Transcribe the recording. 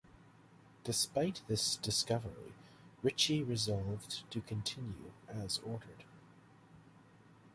Despite this discovery Ritchie resolved to continue as ordered.